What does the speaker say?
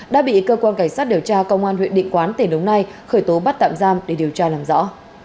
đã bị cơ quan cảnh sát điều tra công an huyện định quán tỉnh đồng nai khởi tố bắt tạm giam để điều tra làm rõ